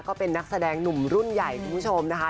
ก็เป็นนักแสดงหนุ่มรุ่นใหญ่คุณผู้ชมนะคะ